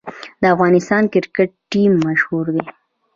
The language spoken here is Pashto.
د افغانستان کرکټ ټیم مشهور دی